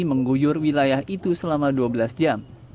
mengguyur wilayah itu selama dua belas jam